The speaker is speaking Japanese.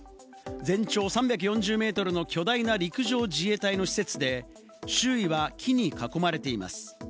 全長３４０メートルの巨大な陸上自衛隊の施設で、周囲は木に囲まれています。